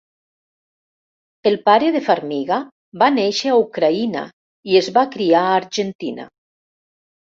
El pare de Farmiga va néixer a Ucraïna i es va criar a Argentina.